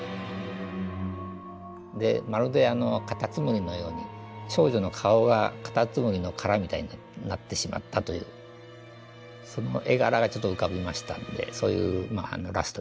でまるでカタツムリのように少女の顔がカタツムリの殻みたいになってしまったというその絵柄がちょっと浮かびましたのでそういうラストにしましたですね。